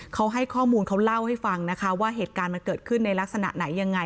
เขาให้ข้อมูลเขาเล่าให้ฟังนะคะว่าเหตุการณ์มันเกิดขึ้นในลักษณะไหนยังไง